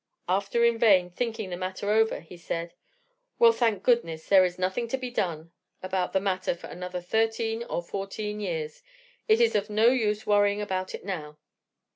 After in vain thinking the matter over he said: "Well, thank goodness; there is nothing to be done about the matter for another thirteen or fourteen years; it is of no use worrying about it now."